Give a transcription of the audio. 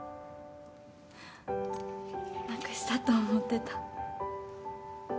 なくしたと思ってた。